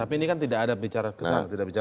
tapi ini kan tidak ada bicara kesana